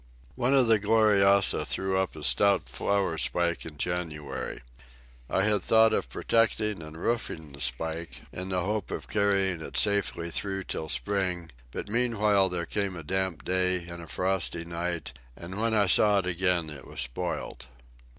One of the gloriosa threw up a stout flower spike in January. I had thought of protecting and roofing the spike, in the hope of carrying it safely through till spring, but meanwhile there came a damp day and a frosty night, and when I saw it again it was spoilt.